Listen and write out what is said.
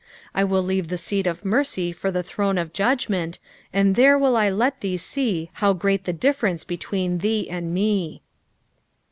I will leave the seat of mercy for the throne of judgment, and there will I let thee see how great the difference between thee and me.